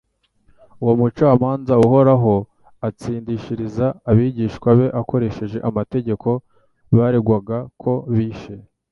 Uwo Mucamanza uhoraho atsindishiriza abigishwa be akoresheje amategeko baregwaga ko bishe.